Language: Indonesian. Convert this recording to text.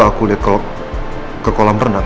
aku liat kalo ke kolam renang